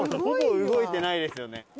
ほぼ動いてないですよね。